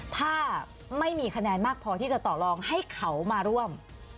ถ้าไม่มีคะแนนมากพอที่จะต่อลองให้เขามาร่วม